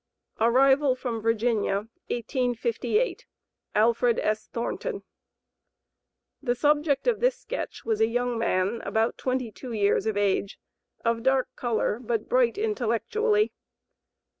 ARRIVAL FROM VIRGINIA, 1858. ALFRED S. THORNTON. The subject of this sketch was a young man about twenty two years of age, of dark color, but bright intellectually.